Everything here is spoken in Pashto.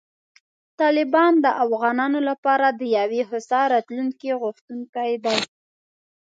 طالبان د افغانانو لپاره د یوې هوسا راتلونکې غوښتونکي دي.